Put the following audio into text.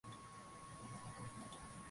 Saa aliyovaa ni nzuri sana